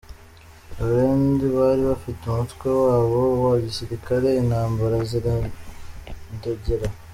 Abalendu bari bafite umutwe wabo wa gisirikare, intambara ziradogera.